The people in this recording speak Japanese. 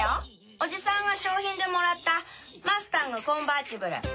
おじさんが賞品でもらったマスタング・コンバーチブル。